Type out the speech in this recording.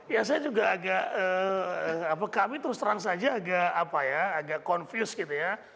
ya saya juga agak kami terus terang saja agak apa ya agak confused gitu ya